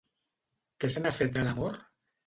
Què se n'ha fet de l'amor?